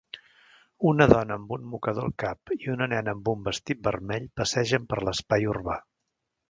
Una dona amb un mocador al cap i una nena amb un vestit vermell passegen per l'espai urbà.